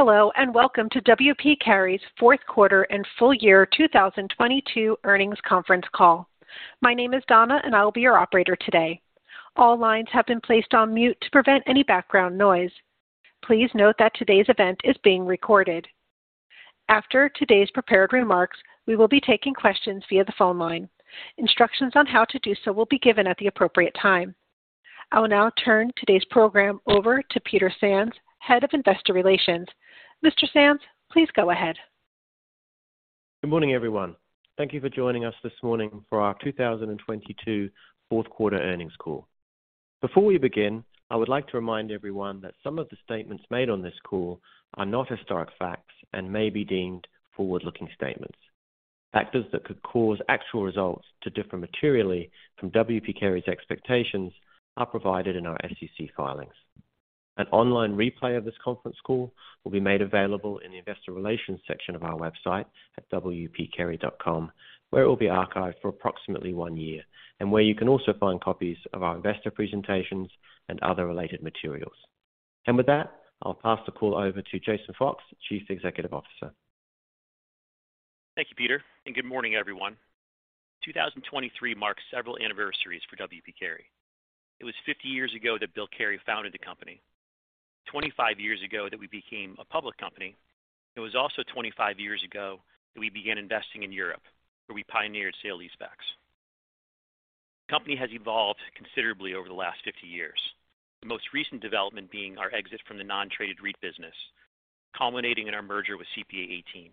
Hello, and welcome to W. P. Carey's Fourth Quarter and Full Year 2022 Earnings Conference Call. My name is Donna, and I will be your operator today. All lines have been placed on mute to prevent any background noise. Please note that today's event is being recorded. After today's prepared remarks, we will be taking questions via the phone line. Instructions on how to do so will be given at the appropriate time. I will now turn today's program over to Peter Sands, Head of Investor Relations. Mr. Sands, please go ahead. Good morning, everyone. Thank you for joining us this morning for our 2022 fourth quarter earnings call. Before we begin, I would like to remind everyone that some of the statements made on this call are not historic facts and may be deemed forward-looking statements. Factors that could cause actual results to differ materially from W. P. Carey's expectations are provided in our SEC filings. An online replay of this conference call will be made available in the Investor Relations section of our website at wpcarey.com, where it will be archived for approximately one year, and where you can also find copies of our investor presentations and other related materials. With that, I'll pass the call over to Jason Fox, Chief Executive Officer. Thank you, Peter, good morning, everyone. 2023 marks several anniversaries for W. P. Carey. It was 50 years ago that Bill Carey founded the company. 25 years ago that we became a public company. It was also 25 years ago that we began investing in Europe, where we pioneered sale-leasebacks. The company has evolved considerably over the last 50 years. The most recent development being our exit from the non-traded REIT business, culminating in our merger with CPA:18.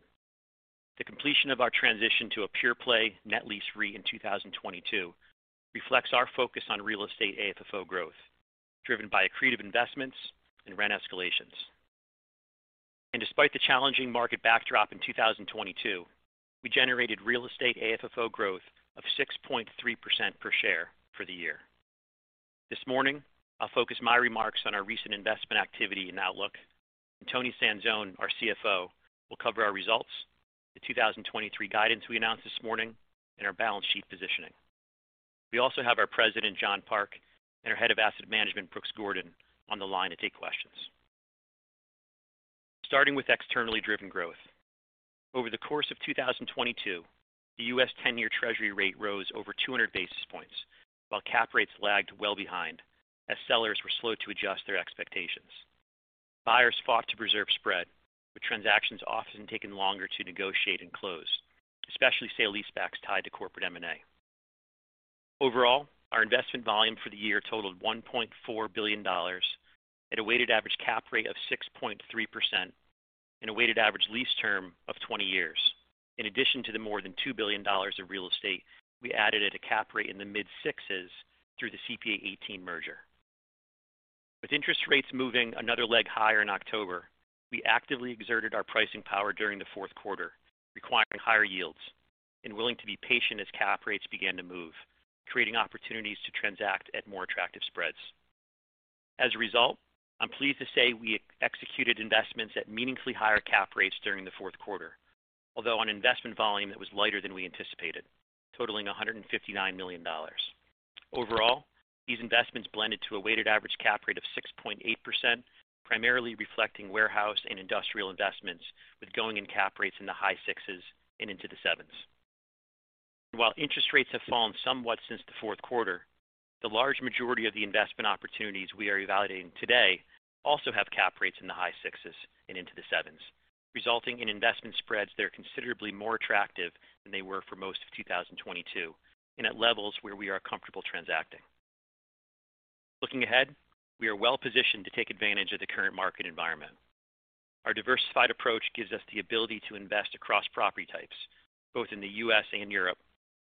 The completion of our transition to a pure-play net lease REIT in 2022 reflects our focus on real estate AFFO growth, driven by accretive investments and rent escalations. Despite the challenging market backdrop in 2022, we generated real estate AFFO growth of 6.3% per share for the year. This morning, I'll focus my remarks on our recent investment activity and outlook. Toni Sanzone, our CFO, will cover our results, the 2023 guidance we announced this morning, and our balance sheet positioning. We also have our President, John Park, and our Head of Asset Management, Brooks Gordon, on the line to take questions. Starting with externally driven growth. Over the course of 2022, the U.S. 10-year Treasury rate rose over 200 basis points, while cap rate lagged well behind as sellers were slow to adjust their expectations. Buyers fought to preserve spread, with transactions often taking longer to negotiate and close, especially sale-leasebacks tied to corporate M&A. Overall, our investment volume for the year totaled $1.4 billion at a weighted average cap rate of 6.3% and a weighted average lease term of 20 years. In addition to the more than $2 billion of real estate we added at a cap rate in the mid-sixes through the CPA:18 merger. With interest rates moving another leg higher in October, we actively exerted our pricing power during the fourth quarter, requiring higher yields and willing to be patient as cap rates began to move, creating opportunities to transact at more attractive spreads. I'm pleased to say we executed investments at meaningfully higher cap rates during the fourth quarter, although on investment volume that was lighter than we anticipated, totaling $159 million. Overall, these investments blended to a weighted average cap rate of 6.8%, primarily reflecting warehouse and industrial investments, with going-in cap rates in the high sixes and into the sevens. While interest rates have fallen somewhat since the 4th quarter, the large majority of the investment opportunities we are evaluating today also have cap rates in the high sixes and into the sevens, resulting in investment spreads that are considerably more attractive than they were for most of 2022 and at levels where we are comfortable transacting. Looking ahead, we are well positioned to take advantage of the current market environment. Our diversified approach gives us the ability to invest across property types, both in the U.S.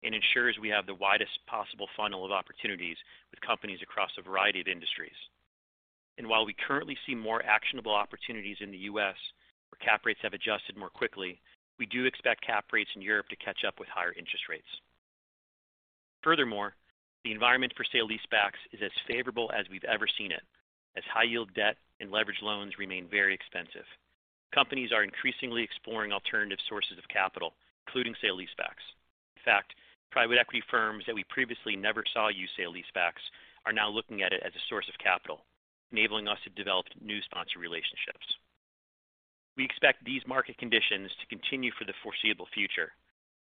and Europe, and ensures we have the widest possible funnel of opportunities with companies across a variety of industries. While we currently see more actionable opportunities in the U.S., where cap rates have adjusted more quickly, we do expect cap rates in Europe to catch up with higher interest rates. Furthermore, the environment for sale-leasebacks is as favorable as we've ever seen it, as high-yield debt and leverage loans remain very expensive. Companies are increasingly exploring alternative sources of capital, including sale-leasebacks. In fact, private equity firms that we previously never saw use sale-leasebacks are now looking at it as a source of capital, enabling us to develop new sponsor relationships. We expect these market conditions to continue for the foreseeable future,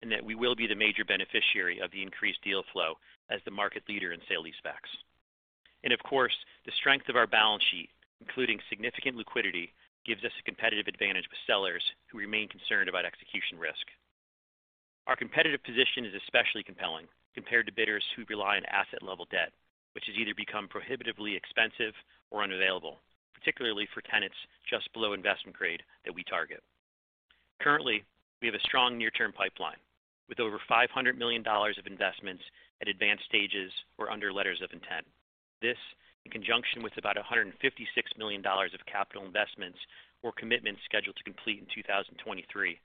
and that we will be the major beneficiary of the increased deal flow as the market leader in sale-leasebacks. Of course, the strength of our balance sheet, including significant liquidity, gives us a competitive advantage with sellers who remain concerned about execution risk. Our competitive position is especially compelling compared to bidders who rely on asset-level debt, which has either become prohibitively expensive or unavailable, particularly for tenants just below investment grade that we target. Currently, we have a strong near-term pipeline, with over $500 million of investments at advanced stages or under letters of intent. This, in conjunction with about $156 million of capital investments or commitments scheduled to complete in 2023,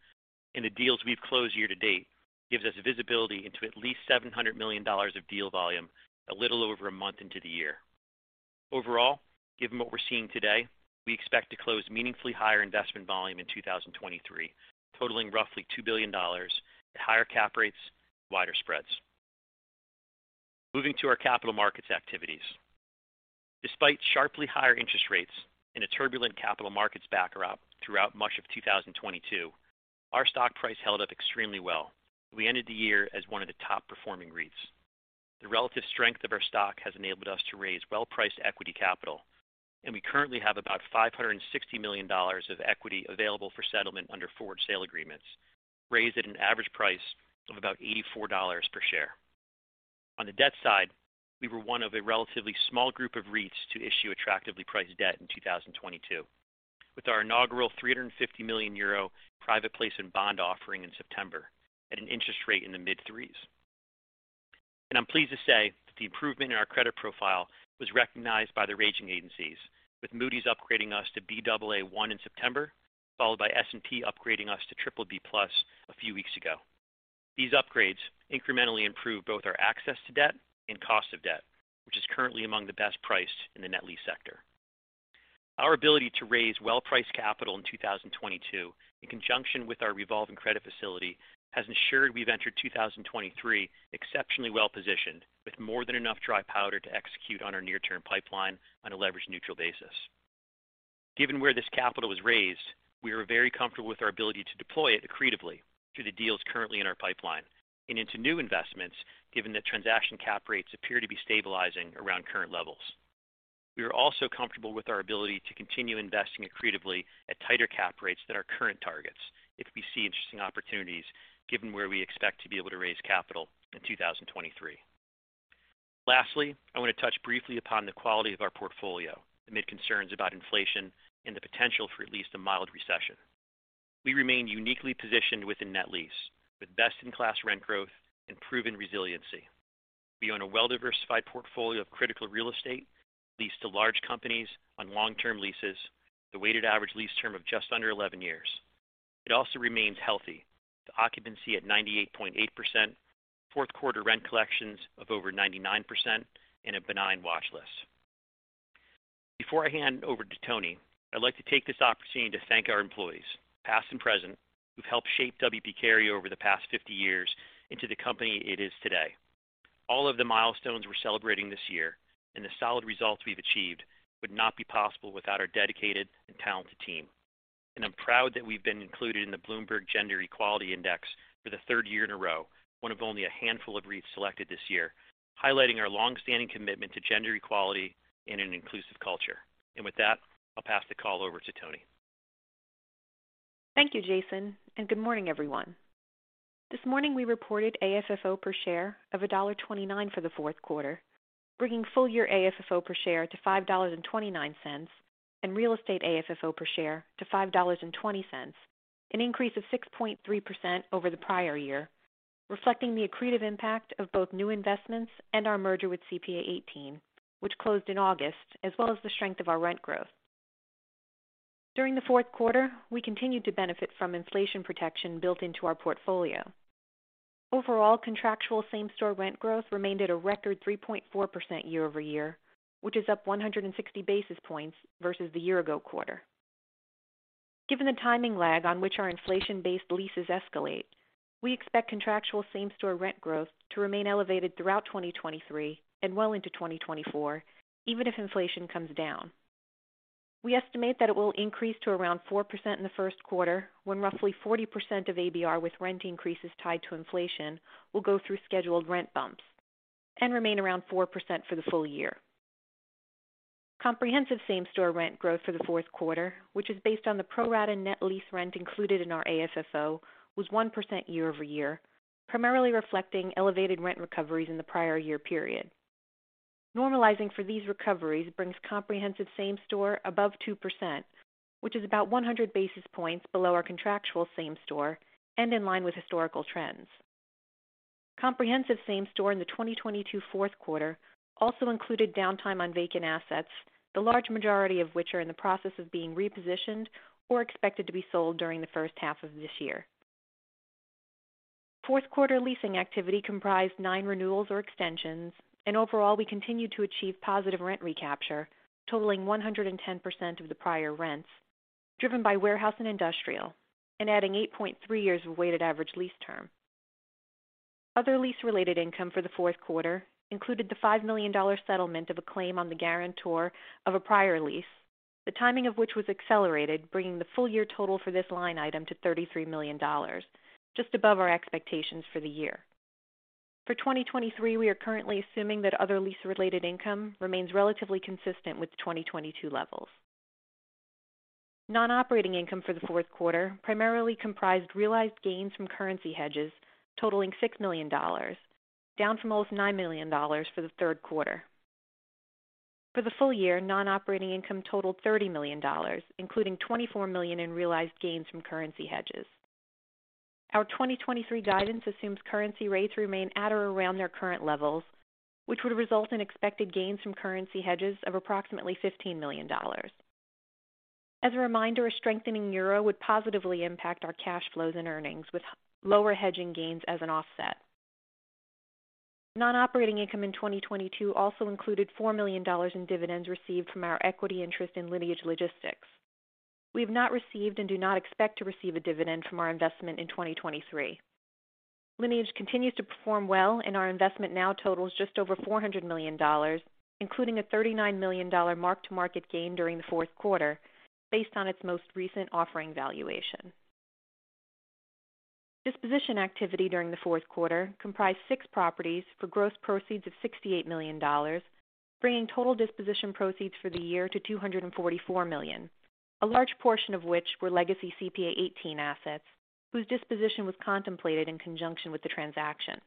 and the deals we've closed year to date gives us visibility into at least $700 million of deal volume a little over a month into the year. Given what we're seeing today, we expect to close meaningfully higher investment volume in 2023, totaling roughly $2 billion at higher cap rates and wider spreads. Moving to our capital markets activities. Despite sharply higher interest rates in a turbulent capital markets backdrop throughout much of 2022, our stock price held up extremely well. We ended the year as one of the top performing REITs. The relative strength of our stock has enabled us to raise well-priced equity capital, and we currently have about $560 million of equity available for settlement under forward sale agreements, raised at an average price of about $84 per share. On the debt side, we were one of a relatively small group of REITs to issue attractively priced debt in 2022, with our inaugural 350 million euro private placement bond offering in September at an interest rate in the mid-3s. I'm pleased to say that the improvement in our credit profile was recognized by the rating agencies, with Moody's upgrading us to Baa1 in September, followed by S&P upgrading us to BBB+ a few weeks ago. These upgrades incrementally improve both our access to debt and cost of debt, which is currently among the best priced in the net lease sector. Our ability to raise well-priced capital in 2022, in conjunction with our revolving credit facility, has ensured we've entered 2023 exceptionally well positioned with more than enough dry powder to execute on our near-term pipeline on a leverage neutral basis. Given where this capital was raised, we are very comfortable with our ability to deploy it accretively through the deals currently in our pipeline and into new investments, given that transaction cap rates appear to be stabilizing around current levels. We are also comfortable with our ability to continue investing accretively at tighter cap rates than our current targets if we see interesting opportunities, given where we expect to be able to raise capital in 2023. Lastly, I want to touch briefly upon the quality of our portfolio amid concerns about inflation and the potential for at least a mild recession. We remain uniquely positioned within net lease with best in class rent growth and proven resiliency. We own a well-diversified portfolio of critical real estate leased to large companies on long term leases, with a weighted average lease term of just under 11 years. It also remains healthy, with occupancy at 98.8%, fourth quarter rent collections of over 99%, and a benign watch list. Before I hand over to Toni, I'd like to take this opportunity to thank our employees, past and present, who've helped shape W. P. Carey over the past 50 years into the company it is today. All of the milestones we're celebrating this year and the solid results we've achieved would not be possible without our dedicated and talented team. I'm proud that we've been included in the Bloomberg Gender-Equality Index for the third year in a row, one of only a handful of REITs selected this year, highlighting our long standing commitment to gender equality and an inclusive culture. With that, I'll pass the call over to Toni. Thank you, Jason. Good morning, everyone. This morning we reported AFFO per share of $1.29 for the fourth quarter, bringing full year AFFO per share to $5.29, and real estate AFFO per share to $5.20, an increase of 6.3% over the prior year, reflecting the accretive impact of both new investments and our merger with CPA:18, which closed in August, as well as the strength of our rent growth. During the fourth quarter, we continued to benefit from inflation protection built into our portfolio. Overall, contractual same-store rent growth remained at a record 3.4% year-over-year, which is up 160 basis points versus the year-ago quarter. Given the timing lag on which our inflation based leases escalate, we expect contractual same-store rent growth to remain elevated throughout 2023 and well into 2024, even if inflation comes down. We estimate that it will increase to around 4% in the first quarter, when roughly 40% of ABR with rent increases tied to inflation will go through scheduled rent bumps and remain around 4% for the full year. Comprehensive same store rent growth for the fourth quarter, which is based on the pro rata net lease rent included in our AFFO, was 1% year-over-year, primarily reflecting elevated rent recoveries in the prior year period. Normalizing for these recoveries brings comprehensive same store above 2%, which is about 100 basis points below our contractual same store and in line with historical trends. Comprehensive same store in the 2022 fourth quarter also included downtime on vacant assets, the large majority of which are in the process of being repositioned or expected to be sold during the first half of this year. Fourth quarter leasing activity comprised nine renewals or extensions. Overall, we continued to achieve positive rent recapture, totaling 110% of the prior rents, driven by warehouse and industrial, adding 8.3 years of weighted average lease term. Other lease related income for the fourth quarter included the $5 million settlement of a claim on the guarantor of a prior lease, the timing of which was accelerated, bringing the full year total for this line item to $33 million, just above our expectations for the year. For 2023, we are currently assuming that other lease related income remains relatively consistent with 2022 levels. Non-operating income for the fourth quarter primarily comprised realized gains from currency hedges totaling $6 million, down from almost $9 million for the third quarter. For the full year, non-operating income totaled $30 million, including $24 million in realized gains from currency hedges. Our 2023 guidance assumes currency rates remain at or around their current levels, which would result in expected gains from currency hedges of approximately $15 million. As a reminder, a strengthening euro would positively impact our cash flows and earnings, with lower hedging gains as an offset. Non-operating income in 2022 also included $4 million in dividends received from our equity interest in Lineage Logistics. We have not received and do not expect to receive a dividend from our investment in 2023. Lineage continues to perform well and our investment now totals just over $400 million, including a $39 million mark to market gain during the fourth quarter based on its most recent offering valuation. Disposition activity during the fourth quarter comprised six properties for gross proceeds of $68 million, bringing total disposition proceeds for the year to $244 million. A large portion of which were legacy CPA:18 assets whose disposition was contemplated in conjunction with the transaction.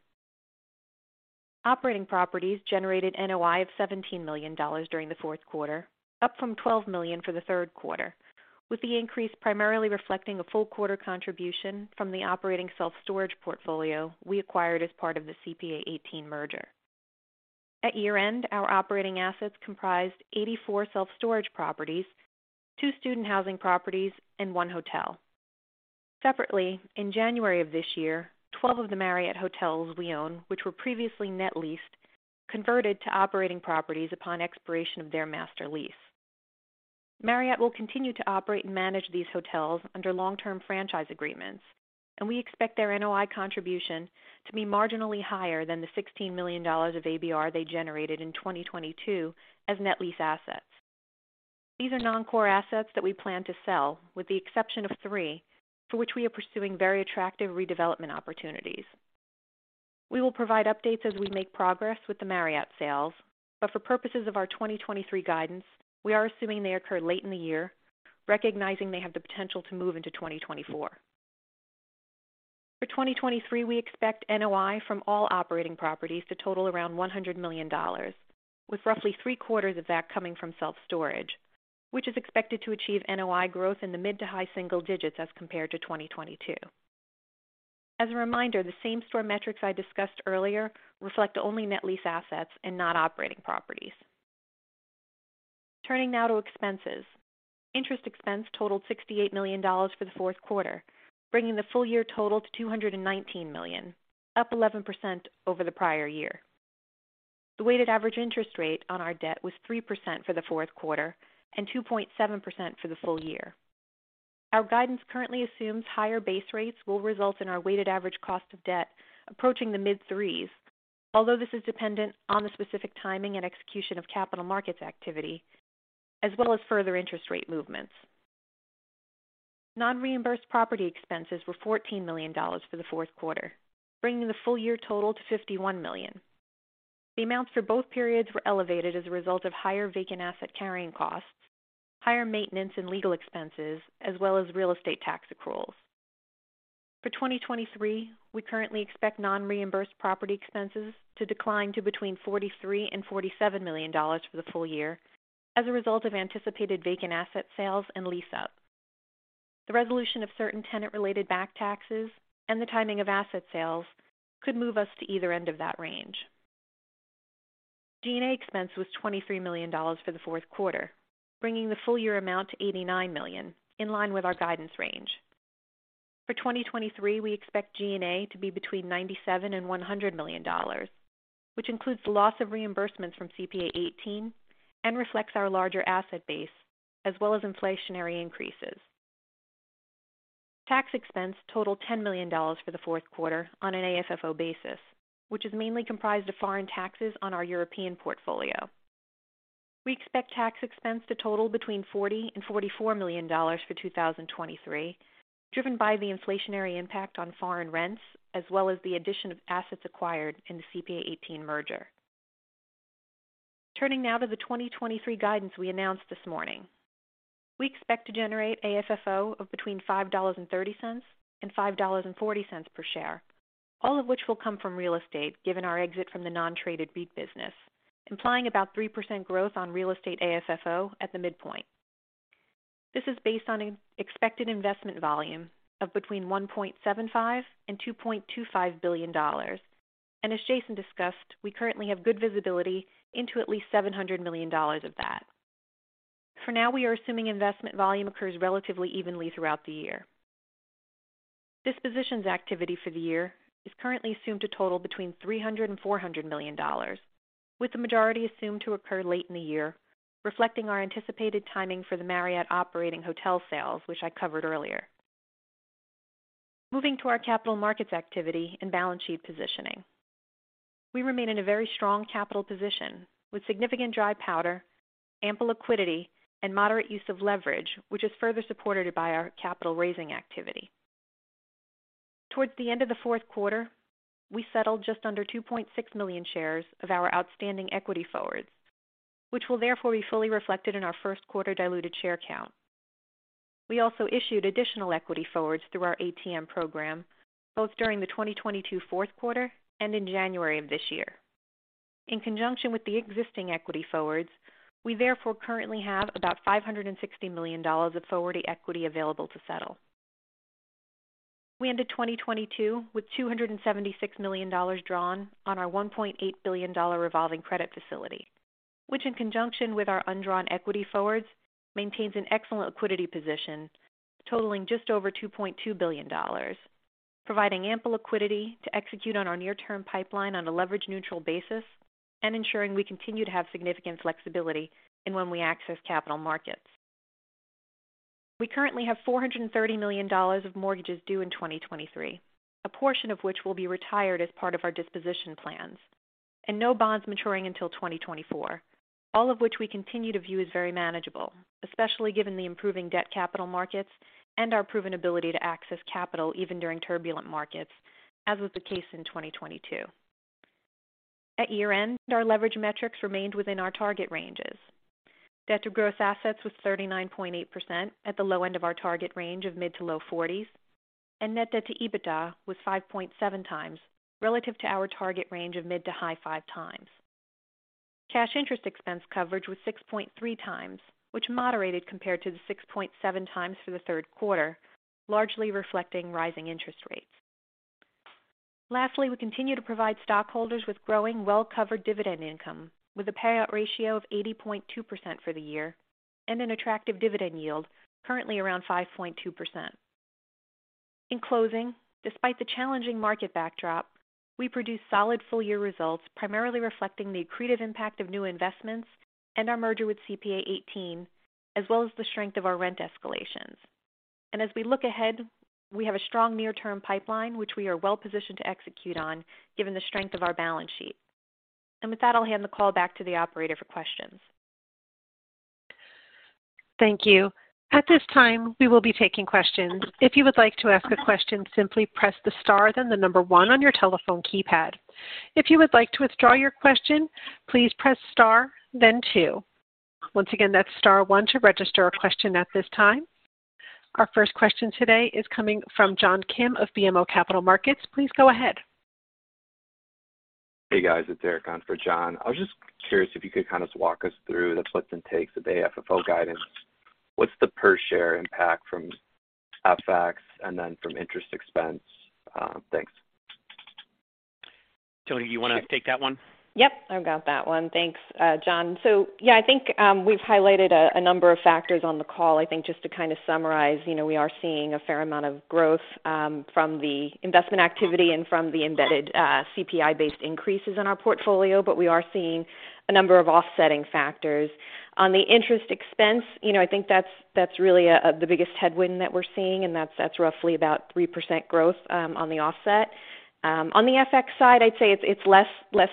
Operating properties generated NOI of $17 million during the fourth quarter, up from $12 million for the third quarter, with the increase primarily reflecting a full quarter contribution from the operating self-storage portfolio we acquired as part of the CPA:18 merger. At year-end, our operating assets comprised 84 self-storage properties, two student housing properties, and one hotel. Separately, in January of this year, 12 of the Marriott hotels we own, which were previously net leased, converted to operating properties upon expiration of their master lease. Marriott will continue to operate and manage these hotels under long-term franchise agreements, and we expect their NOI contribution to be marginally higher than the $16 million of ABR they generated in 2022 as net lease assets. These are non-core assets that we plan to sell, with the exception of three for which we are pursuing very attractive redevelopment opportunities. We will provide updates as we make progress with the Marriott sales, but for purposes of our 2023 guidance, we are assuming they occur late in the year, recognizing they have the potential to move into 2024. For 2023, we expect NOI from all operating properties to total around $100 million, with roughly three quarters of that coming from self-storage, which is expected to achieve NOI growth in the mid to high single digits as compared to 2022. As a reminder, the same store metrics I discussed earlier reflect only net lease assets and not operating properties. Turning now to expenses. Interest expense totaled $68 million for the fourth quarter, bringing the full year total to $219 million, up 11% over the prior year. The weighted average interest rate on our debt was 3% for the 4th quarter and 2.7% for the full year. Our guidance currently assumes higher base rates will result in our weighted average cost of debt approaching the mid-threes. This is dependent on the specific timing and execution of capital markets activity as well as further interest rate movements. Non-reimbursed property expenses were $14 million for the 4th quarter, bringing the full year total to $51 million. The amounts for both periods were elevated as a result of higher vacant asset carrying costs, higher maintenance and legal expenses, as well as real estate tax accruals. For 2023, we currently expect non-reimbursed property expenses to decline to between $43 million and $47 million for the full year as a result of anticipated vacant asset sales and lease up. The resolution of certain tenant related back taxes and the timing of asset sales could move us to either end of that range. G&A expense was $23 million for the fourth quarter, bringing the full year amount to $89 million in line with our guidance range. For 2023, we expect G&A to be between $97 million-$100 million, which includes the loss of reimbursements from CPA:18 and reflects our larger asset base as well as inflationary increases. Tax expense totaled $10 million for the fourth quarter on an AFFO basis, which is mainly comprised of foreign taxes on our European portfolio. We expect tax expense to total between $40 million-$44 million for 2023, driven by the inflationary impact on foreign rents as well as the addition of assets acquired in the CPA:18 merger. Turning now to the 2023 guidance we announced this morning. We expect to generate AFFO of between $5.30 and $5.40 per share, all of which will come from real estate given our exit from the non-traded REIT business, implying about 3% growth on real estate AFFO at the midpoint. This is based on expected investment volume of between $1.75 billion and $2.25 billion. As Jason discussed, we currently have good visibility into at least $700 million of that. For now, we are assuming investment volume occurs relatively evenly throughout the year. Dispositions activity for the year is currently assumed to total between $300 million-$400 million, with the majority assumed to occur late in the year, reflecting our anticipated timing for the Marriott operating hotel sales, which I covered earlier. Moving to our capital markets activity and balance sheet positioning. We remain in a very strong capital position with significant dry powder, ample liquidity and moderate use of leverage, which is further supported by our capital raising activity. Towards the end of the fourth quarter, we settled just under 2.6 million shares of our outstanding equity forwards, which will therefore be fully reflected in our first quarter diluted share count. We also issued additional equity forwards through our ATM program, both during the 2022 fourth quarter and in January of this year. In conjunction with the existing equity forwards, we therefore currently have about $560 million of forward equity available to settle. We ended 2022 with $276 million drawn on our $1.8 billion revolving credit facility, which, in conjunction with our undrawn equity forwards, maintains an excellent liquidity position. Totaling just over $2.2 billion, providing ample liquidity to execute on our near-term pipeline on a leverage neutral basis and ensuring we continue to have significant flexibility in when we access capital markets. We currently have $430 million of mortgages due in 2023, a portion of which will be retired as part of our disposition plans and no bonds maturing until 2024. All of which we continue to view as very manageable, especially given the improving debt capital markets and our proven ability to access capital even during turbulent markets, as was the case in 2022. At year-end, our leverage metrics remained within our target ranges. Debt to gross assets was 39.8% at the low end of our target range of mid to low 40s, and net debt to EBITDA was 5.7x relative to our target range of mid to high 5x. Cash interest expense coverage was 6.3x, which moderated compared to the 6.7x for the 3rd quarter, largely reflecting rising interest rates. We continue to provide stockholders with growing well-covered dividend income with a payout ratio of 80.2% for the year and an attractive dividend yield currently around 5.2%. In closing, despite the challenging market backdrop, we produced solid full-year results, primarily reflecting the accretive impact of new investments and our merger with CPA:18, as well as the strength of our rent escalations. As we look ahead, we have a strong near-term pipeline, which we are well positioned to execute on given the strength of our balance sheet. With that, I'll hand the call back to the operator for questions. Thank you. At this time, we will be taking questions. If you would like to ask a question, simply press the star, then the one on your telephone keypad. If you would like to withdraw your question, please press star then two. Once again, that's star 1 to register a question at this time. Our first question today is coming from John Kim of BMO Capital Markets. Please go ahead. Hey, guys, it's Eric on for John. I was just curious if you could kind of walk us through the puts and takes of the AFFO guidance. What's the per share impact from FX and then from interest expense? Thanks. Toni, you wanna take that one? Yep, I've got that one. Thanks, John. Yeah, I think we've highlighted a number of factors on the call. I think just to kind of summarize, you know, we are seeing a fair amount of growth from the investment activity and from the embedded CPI-based increases in our portfolio. We are seeing a number of offsetting factors. On the interest expense, you know, I think that's really the biggest headwind that we're seeing, and that's roughly about 3% growth on the offset. On the FX side, I'd say it's less, less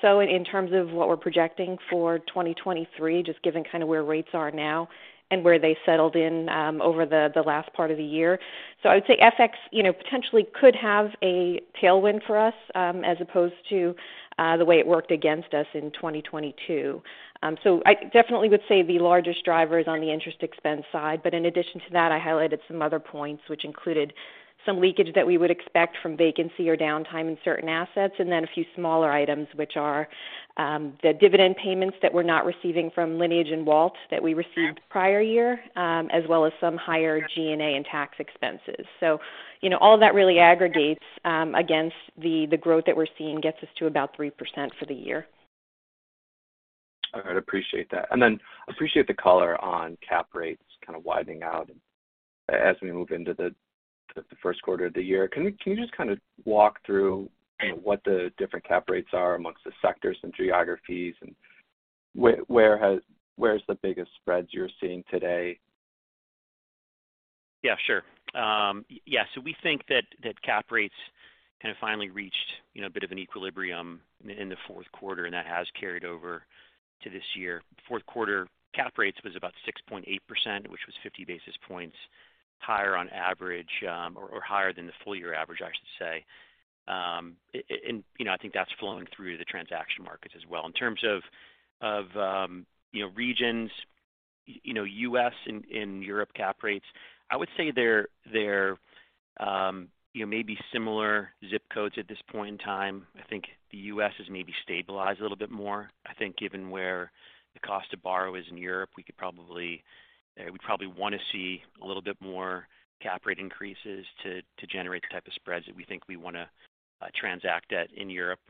so in terms of what we're projecting for 2023, just given kind of where rates are now and where they settled in over the last part of the year. I would say FX, you know, potentially could have a tailwind for us, as opposed to the way it worked against us in 2022. I definitely would say the largest driver is on the interest expense side. In addition to that, I highlighted some other points which included some leakage that we would expect from vacancy or downtime in certain assets, and then a few smaller items, which are the dividend payments that we're not receiving from Lineage and WALT that we received prior year, as well as some higher G&A and tax expenses. you know, all that really aggregates against the growth that we're seeing gets us to about 3% for the year. All right. Appreciate that. Appreciate the color on cap rates kind of widening out as we move into the first quarter of the year. Can you just kind of walk through what the different cap rates are amongst the sectors and geographies and where's the biggest spreads you're seeing today? Yeah, sure. Yeah. We think that cap rates kind of finally reached, you know, a bit of an equilibrium in the fourth quarter, and that has carried over to this year. Fourth quarter cap rates was about 6.8%, which was 50 basis points higher on average, or higher than the full year average, I should say. You know, I think that's flowing through the transaction markets as well. In terms of, you know, regions, you know, U.S. and Europe cap rates, I would say they're, you know, maybe similar zip codes at this point in time. I think the U.S. has maybe stabilized a little bit more. I think given where the cost to borrow is in Europe, we'd probably wanna see a little bit more cap rate increases to generate the type of spreads that we think we wanna transact at in Europe.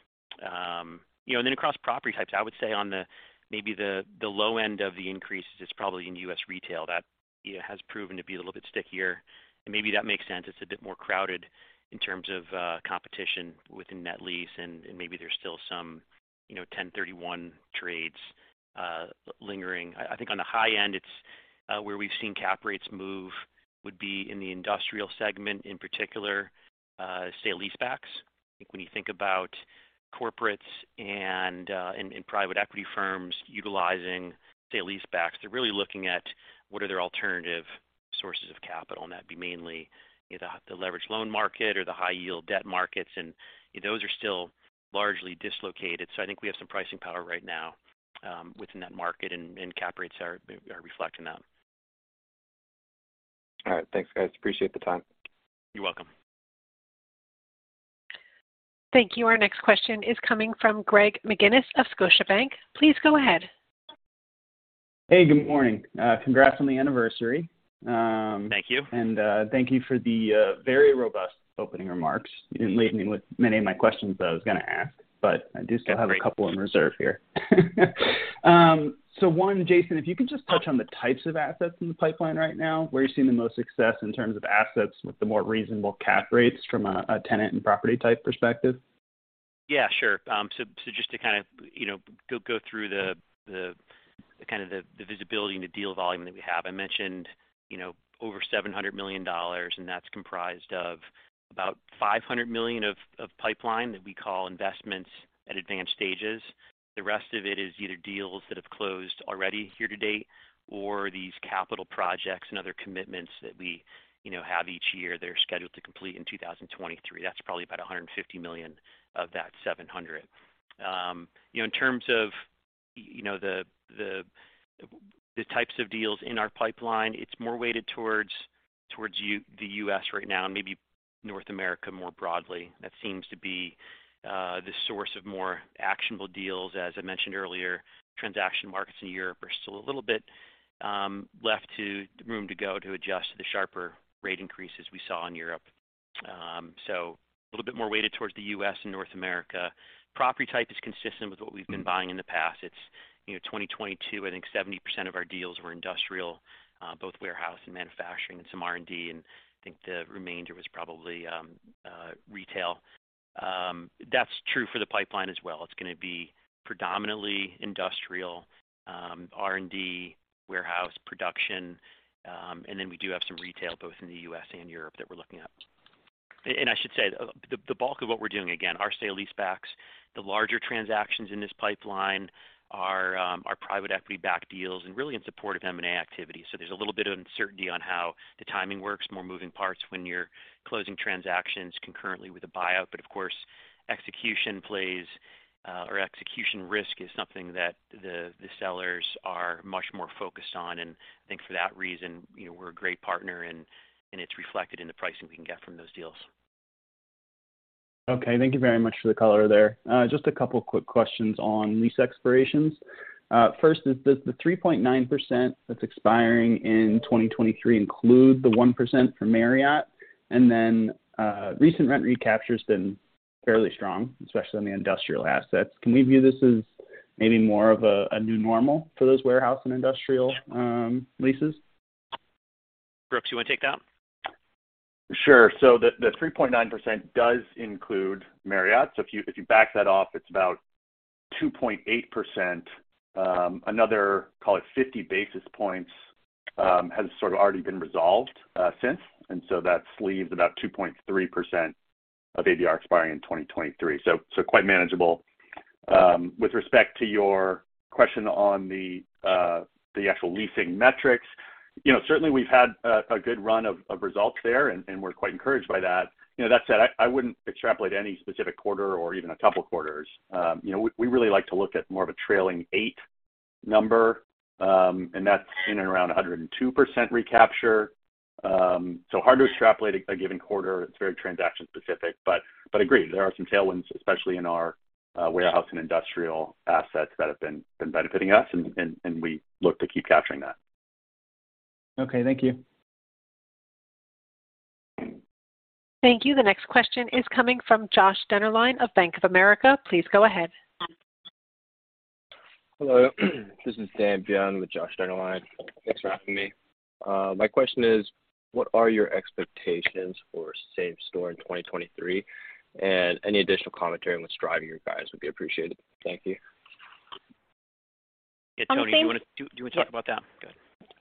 You know, across property types, I would say on the low end of the increases is probably in U.S. retail. That has proven to be a little bit stickier, and maybe that makes sense. It's a bit more crowded in terms of competition within net lease, and maybe there's still some, you know, 1031 trades lingering. I think on the high end, it's where we've seen cap rates move would be in the industrial segment in particular, sale-leasebacks. I think when you think about corporates and private equity firms utilizing, say, lease backs, they're really looking at what are their alternative sources of capital, and that'd be mainly either the leverage loan market or the high yield debt markets, and those are still largely dislocated. I think we have some pricing power right now, within that market, and cap rates are reflecting that. All right. Thanks, guys. Appreciate the time. You're welcome. Thank you. Our next question is coming from Greg McGinniss of Scotiabank. Please go ahead. Hey, good morning. Congrats on the anniversary. Thank you. Thank you for the very robust opening remarks. You didn't leave me with many of my questions that I was gonna ask, but I do still have a couple in reserve here. One, Jason, if you could just touch on the types of assets in the pipeline right now, where you're seeing the most success in terms of assets with the more reasonable cap rates from a tenant and property type perspective. Yeah, sure. Just to kind of, you know, go through the kind of the visibility and the deal volume that we have. I mentioned, you know, over $700 million, that's comprised of about $500 million of pipeline that we call investments at advanced stages. The rest of it is either deals that have closed already here to date or these capital projects and other commitments that we, you know, have each year. They're scheduled to complete in 2023. That's probably about $150 million of that $700 million. You know, in terms of, you know, the types of deals in our pipeline, it's more weighted towards the U.S. right now and maybe North America more broadly. That seems to be the source of more actionable deals. As I mentioned earlier, transaction markets in Europe are still a little bit left to room to go to adjust to the sharper rate increases we saw in Europe. A little bit more weighted towards the U.S. and North America. Property type is consistent with what we've been buying in the past. It's, you know, 2022, I think 70% of our deals were industrial, both warehouse and manufacturing and some R&D, and I think the remainder was probably retail. That's true for the pipeline as well. It's gonna be predominantly industrial, R&D, warehouse production, and then we do have some retail both in the U.S. and Europe that we're looking at. I should say the bulk of what we're doing, again, are sale-leasebacks. The larger transactions in this pipeline are private equity backed deals and really in support of M&A activity. There's a little bit of uncertainty on how the timing works, more moving parts when you're closing transactions concurrently with a buyout. Of course, execution plays or execution risk is something that the sellers are much more focused on. I think for that reason, you know, we're a great partner and it's reflected in the pricing we can get from those deals. Okay, thank you very much for the color there. Just a couple quick questions on lease expirations. First, does the 3.9% that's expiring in 2023 include the 1% for Marriott? Recent rent recapture has been fairly strong, especially on the industrial assets. Can we view this as maybe more of a new normal for those warehouse and industrial leases? Brooks, you wanna take that? Sure. The 3.9% does include Marriott. If you back that off, it's about 2.8%. Another, call it 50 basis points, has sort of already been resolved since. That sleeves about 2.3% of ABR expiring in 2023, so quite manageable. With respect to your question on the actual leasing metrics, you know, certainly we've had a good run of results there, and we're quite encouraged by that. You know, that said, I wouldn't extrapolate any specific quarter or even a couple quarters. You know, we really like to look at more of a trailing eight number, and that's in and around 102% recapture. Hard to extrapolate a given quarter. It's very transaction specific. Agreed, there are some tailwinds, especially in our warehouse and industrial assets that have been benefiting us, and we look to keep capturing that. Okay, thank you. Thank you. The next question is coming from Josh Dennerlein of Bank of America. Please go ahead. Hello. This is Dan with Josh Dennerlein. Thanks for having me. My question is, what are your expectations for same store in 2023? Any additional commentary on what's driving you guys would be appreciated. Thank you. Yeah. Toni, do you? On the same- Do you wanna talk about that? Go ahead.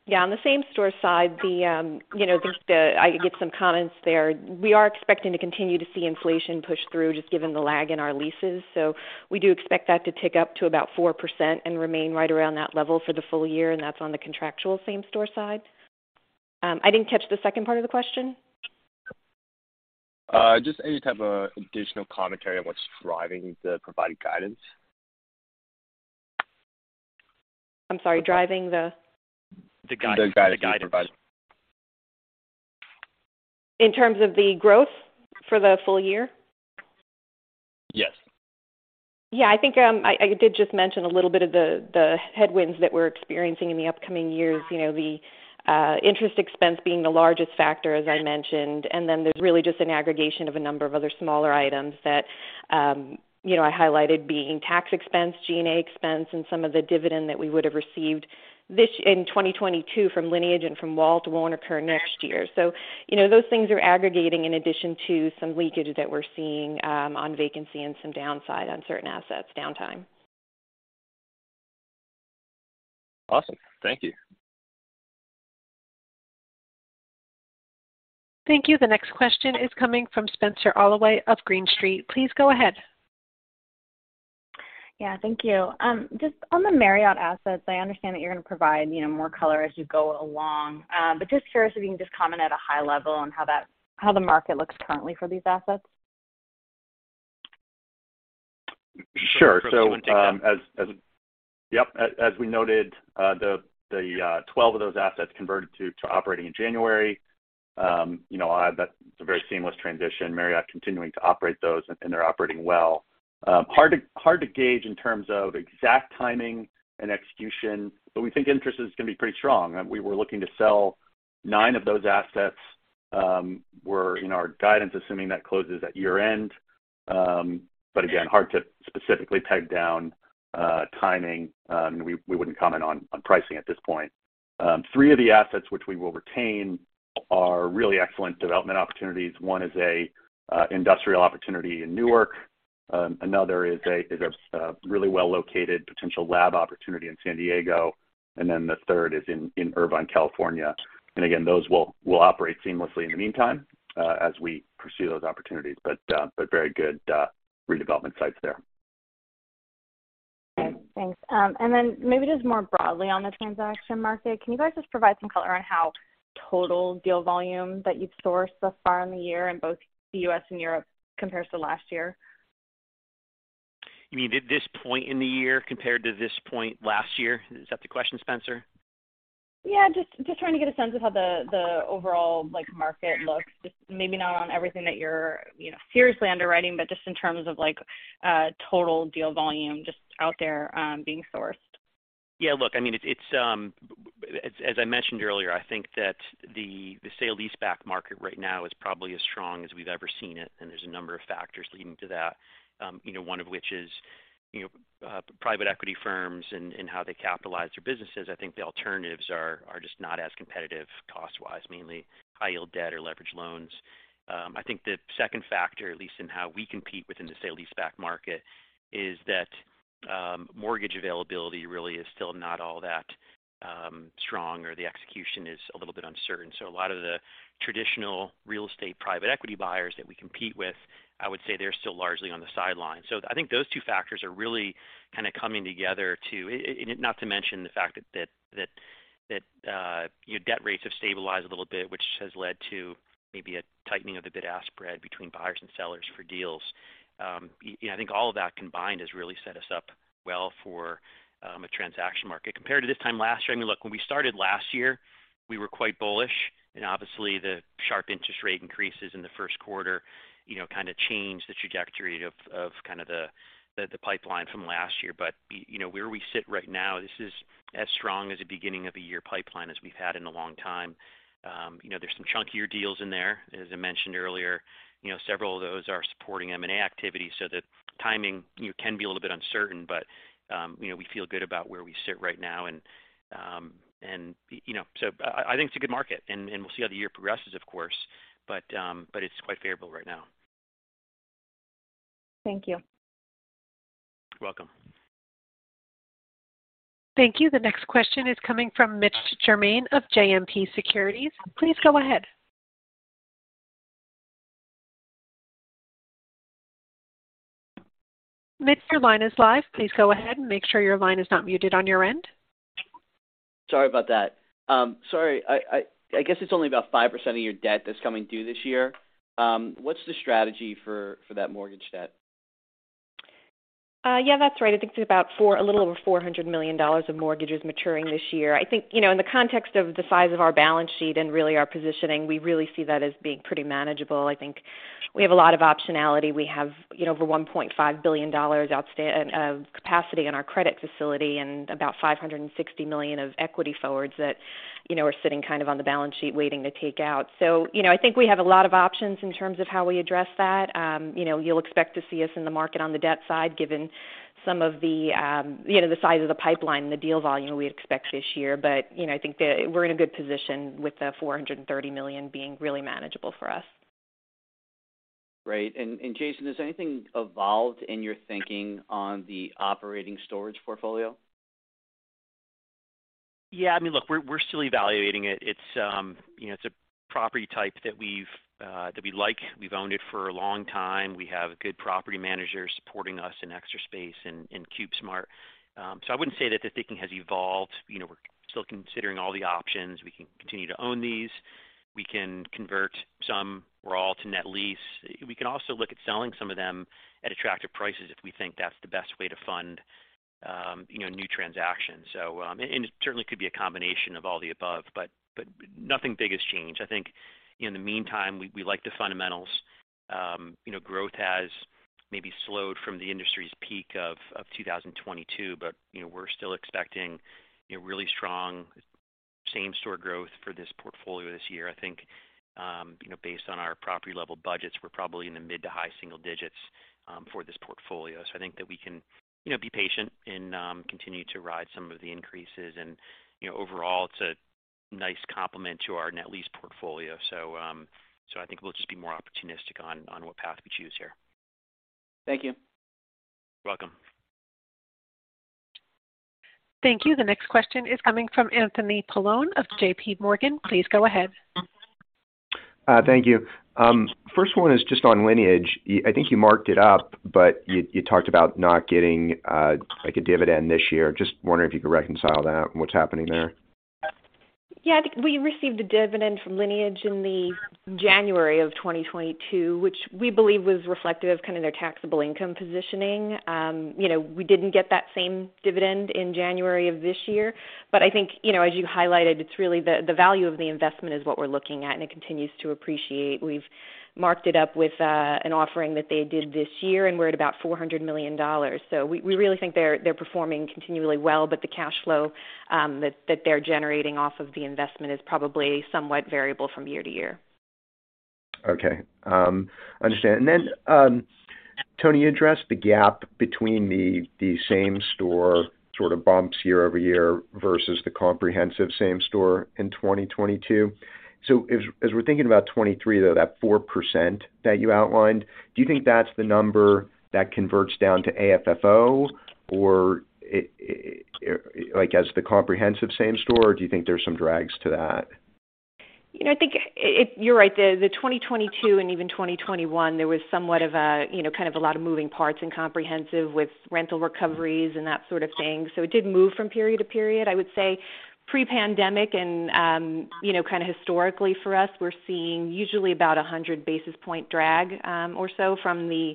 Yeah. On the same store side, you know, I could give some comments there. We are expecting to continue to see inflation push through, just given the lag in our leases. We do expect that to tick up to about 4% and remain right around that level for the full year, and that's on the contractual same store side. I didn't catch the second part of the question. Just any type of additional commentary on what's driving the provided guidance. I'm sorry, driving the... The guidance. The guidance you provided. In terms of the growth for the full year? Yes. Yeah. I think I did just mention a little bit of the headwinds that we're experiencing in the upcoming years. You know, the interest expense being the largest factor, as I mentioned. There's really just an aggregation of a number of other smaller items that, you know, I highlighted being tax expense, G&A expense, and some of the dividend that we would have received in 2022 from Lineage and from WALT won't occur next year. Those things are aggregating in addition to some leakage that we're seeing on vacancy and some downside on certain assets downtime. Awesome. Thank you. Thank you. The next question is coming from Spenser Allaway of Green Street. Please go ahead. Yeah, thank you. Just on the Marriott assets, I understand that you're gonna provide, you know, more color as you go along. Just curious if you can just comment at a high level on how the market looks currently for these assets? Sure. Brooks, you wanna take that? Yep. As we noted, the 12 of those assets converted to operating in January. You know, that's a very seamless transition. Marriott continuing to operate those, and they're operating well. Hard to gauge in terms of exact timing and execution, but we think interest is gonna be pretty strong. We were looking to sell nine of those assets, where in our guidance, assuming that closes at year-end. Again, hard to specifically peg down timing. We wouldn't comment on pricing at this point. Three of the assets which we will retain are really excellent development opportunities. One is an industrial opportunity in Newark. Another is a really well-located potential lab opportunity in San Diego. Then the third is in Irvine, California. again, those will operate seamlessly in the meantime, as we pursue those opportunities. but very good, redevelopment sites there. Okay, thanks. Then maybe just more broadly on the transaction market, can you guys just provide some color on how total deal volume that you've sourced thus far in the year in both the U.S. and Europe compares to last year? You mean at this point in the year compared to this point last year? Is that the question, Spenser? Yeah, just trying to get a sense of how the overall, like, market looks. Just maybe not on everything that you're, you know, seriously underwriting, but just in terms of like, total deal volume just out there, being sourced. Yeah, look, I mean, it's as I mentioned earlier, I think that the sale-leaseback market right now is probably as strong as we've ever seen it, and there's a number of factors leading to that. You know, one of which is, you know, private equity firms and how they capitalize their businesses. I think the alternatives are just not as competitive cost-wise, mainly high-yield debt or leveraged loans. I think the second factor, at least in how we compete within the sale-leaseback market, is that mortgage availability really is still not all that strong or the execution is a little bit uncertain. A lot of the traditional real estate private equity buyers that we compete with, I would say they're still largely on the sidelines. I think those two factors are really kind of coming together to not to mention the fact that your debt rates have stabilized a little bit, which has led to maybe a tightening of the bid-ask spread between buyers and sellers for deals. Yeah, I think all of that combined has really set us up well for a transaction market. Compared to this time last year, I mean, look, when we started last year, we were quite bullish. Obviously the sharp interest rate increases in the first quarter, you know, kind of changed the trajectory of kind of the pipeline from last year. You know, where we sit right now, this is as strong as a beginning of the year pipeline as we've had in a long time. You know, there's some chunkier deals in there. As I mentioned earlier, you know, several of those are supporting M&A activity, so the timing, you know, can be a little bit uncertain. You know, we feel good about where we sit right now. You know, so I think it's a good market, and we'll see how the year progresses, of course. It's quite favorable right now. Thank you. You're welcome. Thank you. The next question is coming from Mitch Germain of JMP Securities. Please go ahead. Mitch, your line is live. Please go ahead and make sure your line is not muted on your end. Sorry about that. Sorry, I guess it's only about 5% of your debt that's coming due this year. What's the strategy for that mortgage debt? Yeah, that's right. I think it's about a little over $400 million of mortgages maturing this year. I think, you know, in the context of the size of our balance sheet and really our positioning, we really see that as being pretty manageable. I think we have a lot of optionality. We have, you know, over $1.5 billion of capacity in our revolving credit facility and about $560 million of equity forward sale agreements that, you know, are sitting kind of on the balance sheet waiting to take out. You know, I think we have a lot of options in terms of how we address that. You know, you'll expect to see us in the market on the debt side, given some of the, you know, the size of the pipeline, the deal volume we expect this year. You know, I think we're in a good position with the $430 million being really manageable for us. Great. And Jason, has anything evolved in your thinking on the operating storage portfolio? Yeah, I mean, look, we're still evaluating it. It's, you know, it's a property type that we've that we like. We've owned it for a long time. We have good property managers supporting us in Extra Space and in CubeSmart. I wouldn't say that the thinking has evolved. You know, we're still considering all the options. We can continue to own these. We can convert some or all to net lease. We can also look at selling some of them at attractive prices if we think that's the best way to fund, you know, new transactions. It certainly could be a combination of all the above, but nothing big has changed. I think in the meantime, we like the fundamentals. You know, growth has maybe slowed from the industry's peak of 2022, but, you know, we're still expecting, you know, really strong same-store growth for this portfolio this year. I think, you know, based on our property-level budgets, we're probably in the mid-to-high single digits for this portfolio. I think that we can, you know, be patient and continue to ride some of the increases. You know, overall, it's a nice complement to our net lease portfolio. I think we'll just be more opportunistic on what path we choose here. Thank you. You're welcome. Thank you. The next question is coming from Anthony Paolone of J.P. Morgan. Please go ahead. Thank you. First one is just on Lineage. I think you marked it up, but you talked about not getting, like a dividend this year. Just wondering if you could reconcile that and what's happening there. Yeah. I think we received a dividend from Lineage in the January of 2022, which we believe was reflective of kind of their taxable income positioning. You know, we didn't get that same dividend in January of this year, but I think, you know, as you highlighted, it's really the value of the investment is what we're looking at, and it continues to appreciate. We've marked it up with an offering that they did this year, and we're at about $400 million. We really think they're performing continually well, but the cash flow that they're generating off of the investment is probably somewhat variable from year to year. Okay. Understand. Then, Toni addressed the gap between the same store sort of bumps year-over-year versus the comprehensive same store in 2022. As we're thinking about 2023, though, that 4% that you outlined, do you think that's the number that converts down to AFFO or like, as the comprehensive same store, or do you think there's some drags to that? You know, I think you're right. The, the 2022 and even 2021, there was somewhat of a, you know, kind of a lot of moving parts in comprehensive with rental recoveries and that sort of thing. It did move from period to period. I would say pre-pandemic and, you know, kind of historically for us, we're seeing usually about a 100 basis point drag or so from the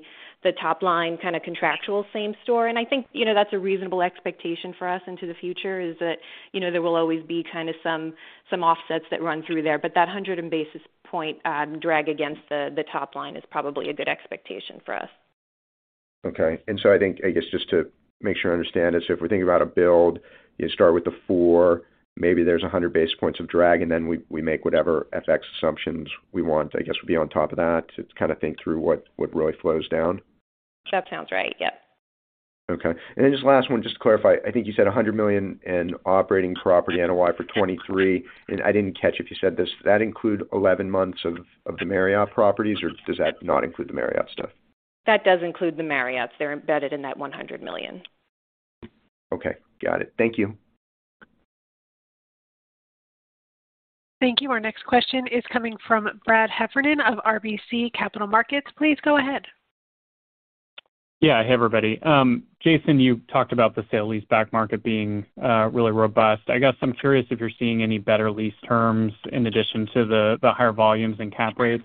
top line kind of contractual same store. I think, you know, that's a reasonable expectation for us into the future, is that, you know, there will always be kind of some offsets that run through there. That 100 and basis point drag against the top line is probably a good expectation for us. I think, I guess, just to make sure I understand this, if we're thinking about a build, you start with the four, maybe there's a 100 basis points of drag, and then we make whatever FX assumptions we want, I guess, would be on top of that to kind of think through what really flows down. That sounds right. Yep. Then just last one just to clarify. I think you said $100 million in operating property NOI for 2023. I didn't catch if you said this. Does that include 11 months of the Marriott properties, or does that not include the Marriott stuff? That does include the Marriotts. They're embedded in that $100 million. Okay. Got it. Thank you. Thank you. Our next question is coming from Brad Heffern of RBC Capital Markets. Please go ahead. Yeah. Hey, everybody. Jason, you talked about the sale-leaseback market being really robust. I guess I'm curious if you're seeing any better lease terms in addition to the higher volumes and cap rates,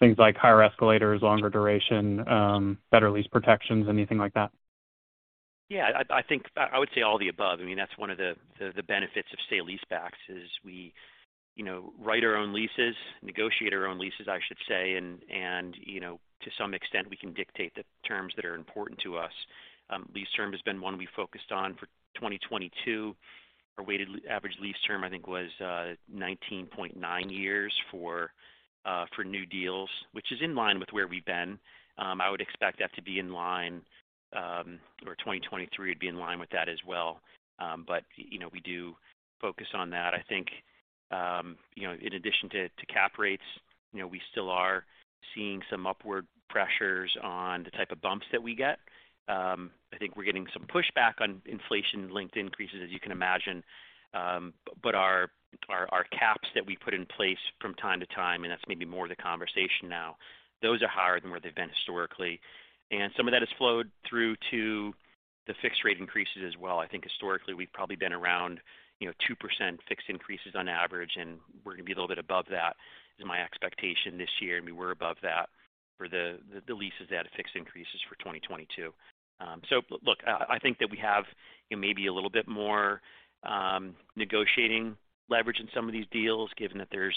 things like higher escalators, longer duration, better lease protections, anything like that? Yeah. I would say all the above. I mean, that's one of the benefits of sale-leasebacks is we, you know, write our own leases, negotiate our own leases, I should say, and, you know, to some extent, we can dictate the terms that are important to us. Lease term has been one we focused on for 2022. Our weighted average lease term, I think, was 19.9 years for new deals, which is in line with where we've been. I would expect that to be in line, or 2023 would be in line with that as well. You know, we do focus on that. I think, you know, in addition to cap rates, you know, we still are seeing some upward pressures on the type of bumps that we get. I think we're getting some pushback on inflation-linked increases, as you can imagine. Our caps that we put in place from time to time, and that's maybe more the conversation now, those are higher than where they've been historically. Some of that has flowed through to the fixed rate increases as well. I think historically, we've probably been around, you know, 2% fixed increases on average, and we're gonna be a little bit above that, is my expectation this year. I mean, we're above that for the leases that had fixed increases for 2022. look, I think that we have, you know, maybe a little bit more negotiating leverage in some of these deals, given that there's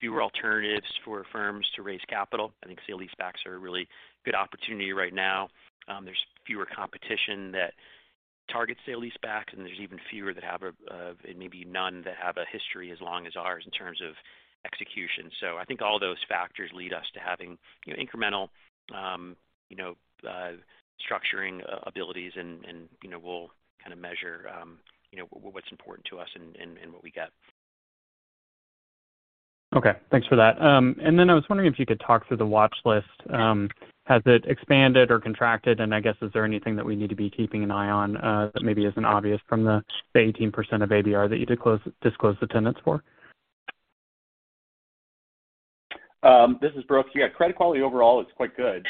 fewer alternatives for firms to raise capital. I think sale-leasebacks are a really good opportunity right now. There's fewer competition that targets sale-leasebacks, and there's even fewer that have and maybe none that have a history as long as ours in terms of execution. I think all those factors lead us to having, you know, incremental, you know, structuring abilities and, you know, we'll kind of measure, you know, what's important to us and what we get. Okay. Thanks for that. Then I was wondering if you could talk through the watch list. Has it expanded or contracted? I guess, is there anything that we need to be keeping an eye on, that maybe isn't obvious from the 18% of ABR that you disclose the tenants for? This is Brooks. Yeah. Credit quality overall is quite good.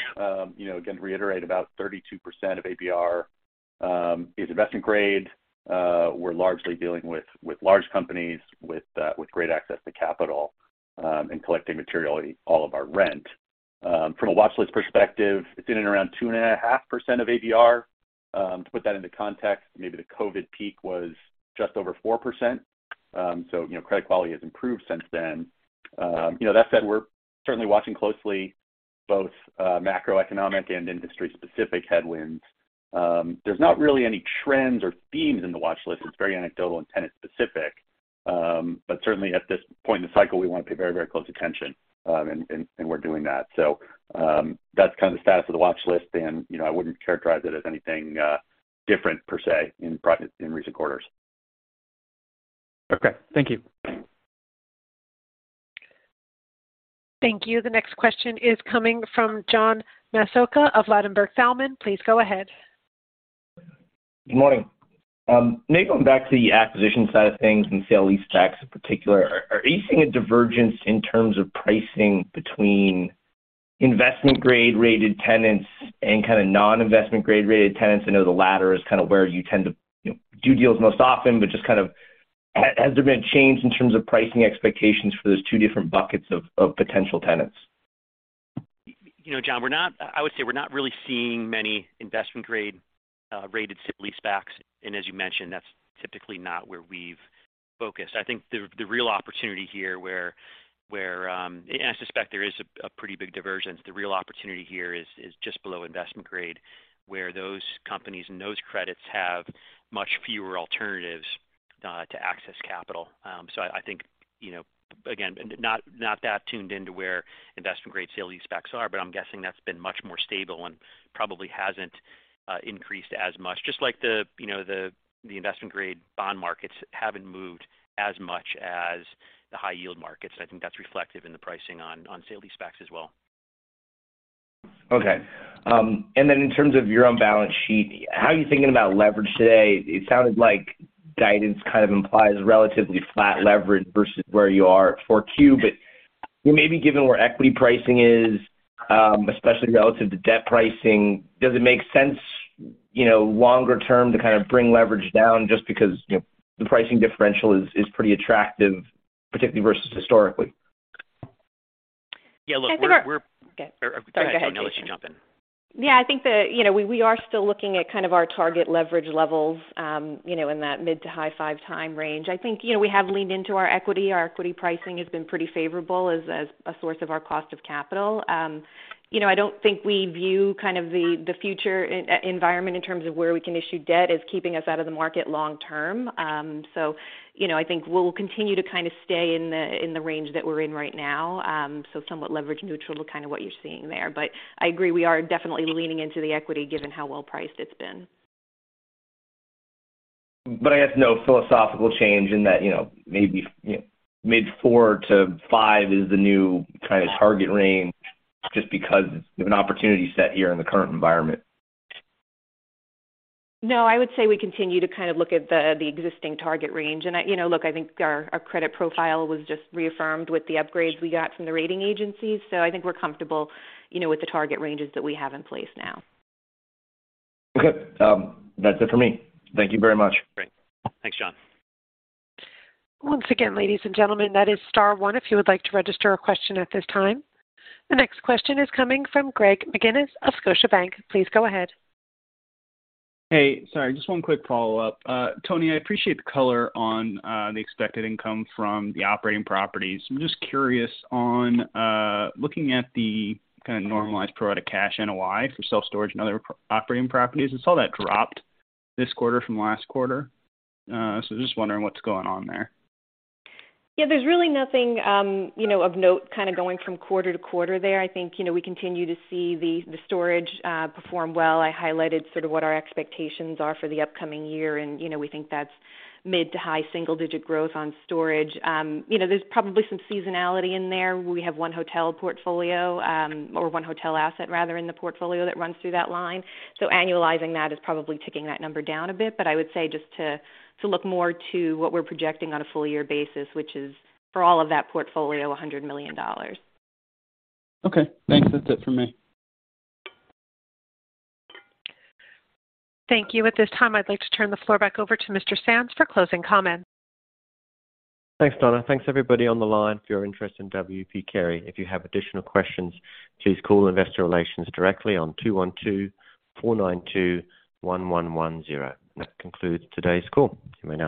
You know, again, to reiterate about 32% of ABR is investment grade. We're largely dealing with large companies with great access to capital and collecting materially all of our rent. From a watchlist perspective, it's in and around 2.5% of ABR. To put that into context, maybe the COVID peak was just over 4%. You know, credit quality has improved since then. You know, that said, we're certainly watching closely both macroeconomic and industry-specific headwinds. There's not really any trends or themes in the watchlist. It's very anecdotal and tenant-specific. Certainly at this point in the cycle, we wanna pay very, very close attention and we're doing that. That's kind of the status of the watchlist. You know, I wouldn't characterize it as anything different per se in recent quarters. Okay. Thank you. Thank you. The next question is coming from John Massocca of Ladenburg Thalmann. Please go ahead. Good morning. Maybe going back to the acquisition side of things and sale-leasebacks in particular, are you seeing a divergence in terms of pricing between investment grade rated tenants and kind of non-investment grade rated tenants, I know the latter is kind of where you tend to, you know, do deals most often, just kind of has there been a change in terms of pricing expectations for those two different buckets of potential tenants? You know, John, we're not I would say we're not really seeing many investment grade rated sale leasebacks. As you mentioned, that's typically not where we've focused. I think the real opportunity here where I suspect there is a pretty big divergence. The real opportunity here is just below investment grade, where those companies and those credits have much fewer alternatives to access capital. I think, you know, again, not that tuned into where investment grade sale leasebacks are, but I'm guessing that's been much more stable and probably hasn't increased as much. Just like the, you know, the investment grade bond markets haven't moved as much as the high yield markets. I think that's reflective in the pricing on sale leasebacks as well. In terms of your own balance sheet, how are you thinking about leverage today? It sounded like guidance kind of implies relatively flat leverage versus where you are at 4Q. Well, maybe given where equity pricing is, especially relative to debt pricing, does it make sense, you know, longer term to kind of bring leverage down just because, you know, the pricing differential is pretty attractive, particularly versus historically? Yeah, look, we're... I think. Okay. Sorry. Go ahead, Toni. Go ahead, Toni. You jump in. Yeah. I think, you know, we are still looking at kind of our target leverage levels, you know, in that mid to high five time range. I think, you know, we have leaned into our equity. Our equity pricing has been pretty favorable as a source of our cost of capital. You know, I don't think we view kind of the future environment in terms of where we can issue debt as keeping us out of the market long term. You know, I think we'll continue to kind of stay in the range that we're in right now. Somewhat leverage neutral to kind of what you're seeing there. I agree, we are definitely leaning into the equity given how well-priced it's been. I guess no philosophical change in that, you know, maybe, you know, mid-4 to 5 is the new kind of target range just because of an opportunity set here in the current environment. No, I would say we continue to kind of look at the existing target range. I, you know, look, I think our credit profile was just reaffirmed with the upgrades we got from the rating agencies. I think we're comfortable, you know, with the target ranges that we have in place now. Okay. That's it for me. Thank you very much. Great. Thanks, John. Once again, ladies and gentlemen, that is star one if you would like to register a question at this time. The next question is coming from Greg McGinniss of Scotiabank. Please go ahead. Hey, sorry, just one quick follow-up. Toni, I appreciate the color on the expected income from the operating properties. I'm just curious on looking at the kind of normalized pro rata cash NOI for self-storage and other operating properties. Saw that dropped this quarter from last quarter. Just wondering what's going on there. There's really nothing, you know, of note kind of going from quarter-to-quarter there. I think, you know, we continue to see the storage perform well. I highlighted sort of what our expectations are for the upcoming year and, you know, we think that's mid-to-high single-digit growth on storage. You know, there's probably some seasonality in there. We have one hotel portfolio, or one hotel asset rather in the portfolio that runs through that line. Annualizing that is probably ticking that number down a bit, but I would say just to look more to what we're projecting on a full year basis, which is for all of that portfolio, $100 million. Okay, thanks. That's it for me. Thank you. At this time, I'd like to turn the floor back over to Mr. Sands for closing comments. Thanks, Donna. Thanks everybody on the line for your interest in W. P. Carey. If you have additional questions, please call investor relations directly on 212-492-1110. That concludes today's call. You may now disconnect.